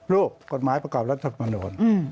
รูปกฎหมายประกอบรัฐมนูล